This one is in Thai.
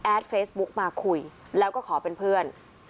เฟซบุ๊กมาคุยแล้วก็ขอเป็นเพื่อน